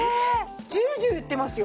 ジュージューいってますよ。